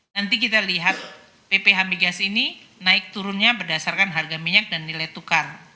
nanti kita lihat pph migas ini naik turunnya berdasarkan harga minyak dan nilai tukar